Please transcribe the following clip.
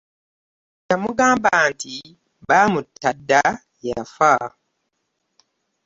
Yamugamba nti baamutta dda yafa .